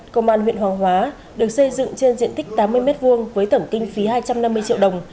công an huyện hoàng hóa được xây dựng trên diện tích tám mươi m hai với tổng kinh phí hai trăm năm mươi triệu đồng